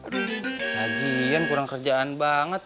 lajian kurang kerjaan banget